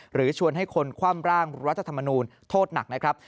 ชวนให้คนคว่ำร่างรัฐธรรมนูญโทษหนักนะครับ